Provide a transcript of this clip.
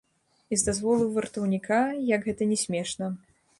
І з дазволу вартаўніка, як гэта ні смешна.